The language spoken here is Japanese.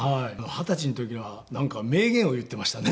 二十歳の時はなんか名言を言ってましたね。